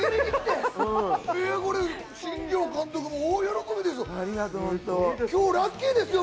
新庄監督も大喜びですよ。